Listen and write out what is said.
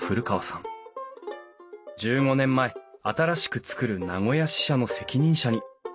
１５年前新しく作る名古屋支社の責任者に。